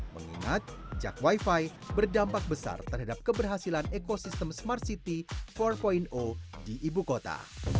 mengingat jak wifi berdampak besar terhadap keberhasilan ekosistem smart city empat di ibu kota